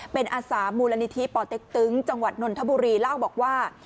เป็นอาสามูลนิธิป่อเต็กตึงจังหวัดนนทบุรีเล่าบอกว่า